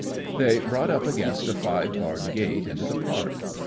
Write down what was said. They brought up against a five barred gate into the park.